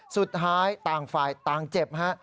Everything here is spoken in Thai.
สุดท้ายต่างฝ่ายต่างเจ็บฮะ